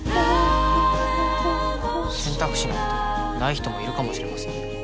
選択肢なんてない人もいるかもしれませんよ。